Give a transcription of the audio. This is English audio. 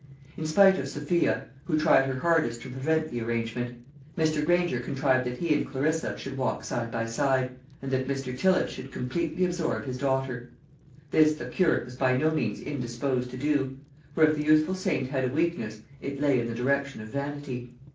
In spite of Sophia, who tried her hardest to prevent the arrangement, Mr. Granger contrived that he and Clarissa should walk side by side, and that Mr. Tillott should completely absorb his daughter. This the curate was by no means indisposed to do; for, if the youthful saint had a weakness, it lay in the direction of vanity.